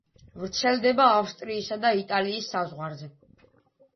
ვრცელდება ავსტრიისა და იტალიის საზღვარზე.